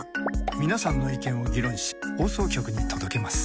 皆さんの意見を議論し放送局に届けます。